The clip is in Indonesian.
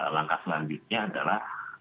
langkah selanjutnya adalah